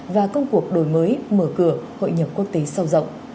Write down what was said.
và công cuộc đổi mới mở cửa hội nhập quốc tế sâu rộng